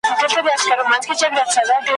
د لېوه بچی لېوه سي `